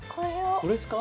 これですか？